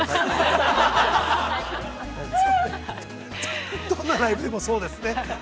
◆どんなライブでもそうですね。